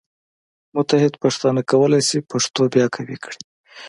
متحد پښتانه کولی شي پښتو بیا قوي کړي.